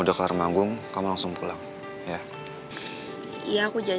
dianggap pengantin mau untung kerja